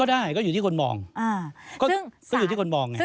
ก็ได้เนี่ยก็อยู่ที่คนมอง